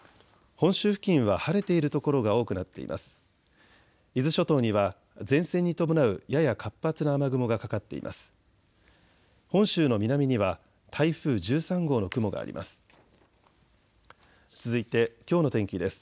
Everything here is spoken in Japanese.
本州の南には台風１３号の雲があります。